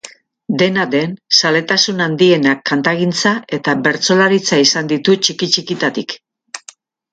Dena den, zaletasun handienak kantagintza eta bertsolaritza izan ditu txiki-txikitatik.